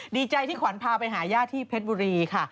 ดีใจที่ขวัญพาไปหาญาติที่เพชรบุรีค่ะ